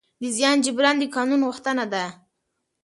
د زیان جبران د قانون غوښتنه ده.